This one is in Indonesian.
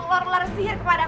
ular ular sihir kepadaku